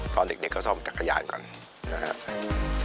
ตอนเด็กก็ซ่อมจักรยานก่อนนะครับ